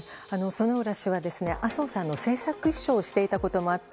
薗浦氏は麻生さんの政策秘書をしていたこともあって